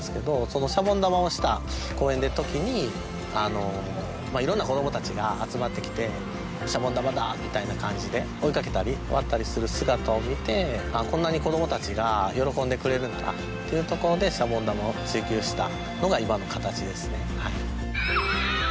そのシャボン玉をした公園でときにいろんな子供達が集まってきてシャボン玉だみたいな感じで追いかけたり割ったりする姿を見てあっこんなに子供達が喜んでくれるならっていうところでシャボン玉を追求したのが今の形ですね